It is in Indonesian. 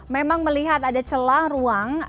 memang melihat ada celah ruang